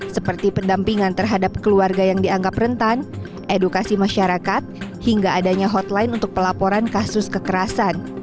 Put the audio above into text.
seperti pendampingan terhadap keluarga yang dianggap rentan edukasi masyarakat hingga adanya hotline untuk pelaporan kasus kekerasan